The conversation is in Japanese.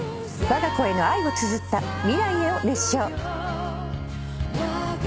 わが子への愛をつづった『未来へ』を熱唱。